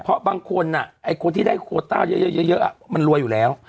เพราะบางคนไอ้คนที่ได้โคต้าเยอะมันรวยอยู่แล้ว